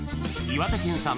岩手県産